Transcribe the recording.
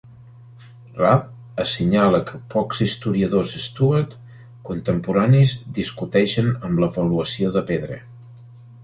Rabb assenyala que pocs historiadors Stuart contemporanis discuteixen amb l'avaluació de pedra.